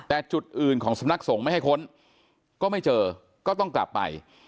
แต่จุดอื่นของสำนักสงฆ์ไม่ให้ค้นก็ไม่เจอก็ต้องกลับไป